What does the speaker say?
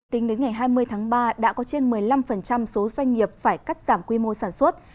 tính đến ngày hai mươi tháng ba đã có trên một mươi năm số doanh nghiệp phải cắt giảm quy mô sản xuất